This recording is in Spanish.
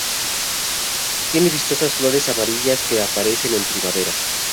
Tiene vistosas flores amarillas que aparecen en primavera.